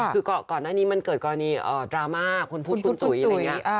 คือก่อนหน้านี้มันเกิดกรณีดราม่าคุณพุทธคุณจุ๋ยอะไรอย่างนี้